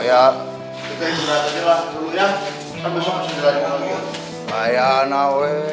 kita berjalan dulu ya sampai besok berjalan lagi